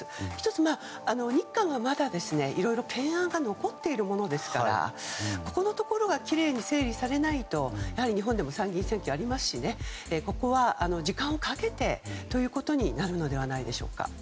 １つ、日韓はいろいろ懸案が残っているものですからそこのところがきれいに整理されないと日本でも参議院選挙がありますしここは時間をかけてということになるのではないでしょうか。